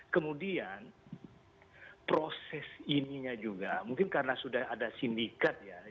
kemudian proses ininya juga mungkin karena sudah ada sindikat ya